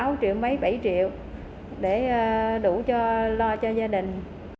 sáu triệu mấy bảy triệu để đủ cho lo cho gia đình